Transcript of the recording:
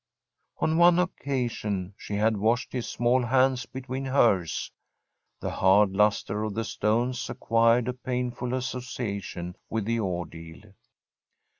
On one occasion she had washed his small hands between hers. The hard lustre of the stones acquired a painful association with the ordeal.